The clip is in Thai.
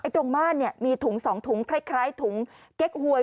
ตรงม่านเนี่ยมีถุงสองถุงคล้ายถุงเก๊กหวย